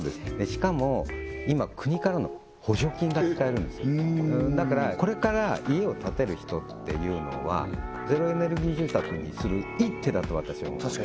しかも今国からの補助金が使えるんですよだからこれから家を建てる人っていうのはゼロエネルギー住宅にする一手だと私は思います